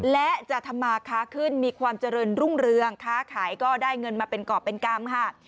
และจะทำมาค้าขึ้นมีความเจริญรุ่งเรืองค้าขายก็ได้เงินมาเป็นกรอบเป็นกรรมค่ะ